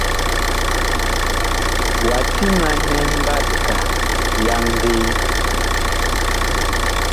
Wa timanɛ mbatka yaŋvee?